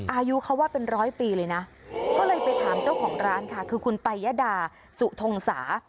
อายุเขาว่าเป็นร้อยปีเลยนะก็เลยไปถามเจ้าของร้านค่ะคือคุณปายดาสุทงศา